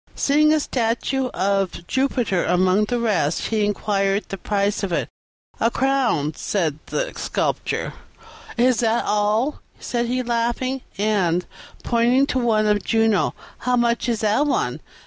Seeing a statue of Jupiter among the rest, he inquired the price of it. "A crown," said the Sculptor. "Is that all?" said he, laughing; "and" (pointing to one of Juno) "how much is that one?"